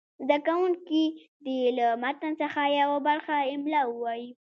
زده کوونکي دې له متن څخه یوه برخه املا ووایي.